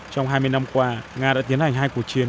trong hai mươi năm qua nga đã tiến hành hai cuộc chiến